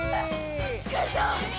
つかれた！